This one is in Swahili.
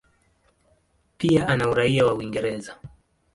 Pia ana uraia wa Uingereza.